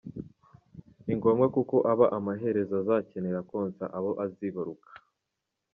Ni ngombwa kuko aba amaherezo azakenera konsa abo azibaruka.